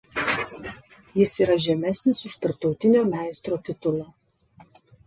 Jis yra žemesnis už tarptautinio meistro titulą.